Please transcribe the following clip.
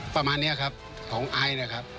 ประมาณนี้ครับของไอศ์